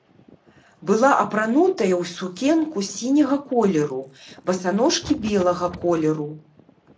Была апранутая ў сукенку сіняга колеру, басаножкі белага колеру.